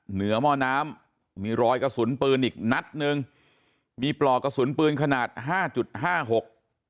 หม้อน้ำมีรอยกระสุนปืนอีกนัดหนึ่งมีปลอกกระสุนปืนขนาดห้าจุดห้าหก